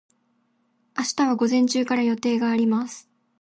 明日は午前中から予定があります。